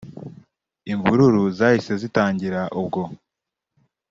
Imvururu zahise zitangira ubwo